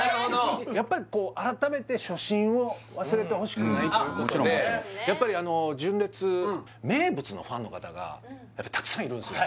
やっぱり改めて初心を忘れてほしくないということでやっぱり純烈名物のファンの方がたくさんいるんですよ